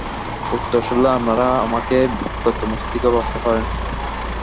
উত্তর শুনলে আপনারা আমাকে বিকৃতমস্তিষ্ক ভাবতে পারেন।